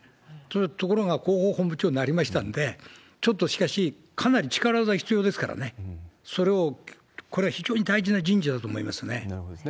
ところが広報本部長になりましたんで、ちょっと、しかし、かなり力技が必要ですから、それを、これは非常に大事な人事だと思いまなるほどですね。